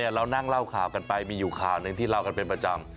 เรานั่งเล่าข่าวกันไปมีอยู่ข่าวหนึ่งที่เล่ากันเป็นประจำ